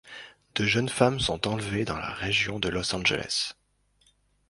De jeunes femmes sont enlevées dans la région de Los Angeles.